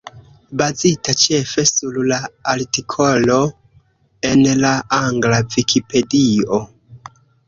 Bazita ĉefe sur la artikolo en la angla Vikipedio.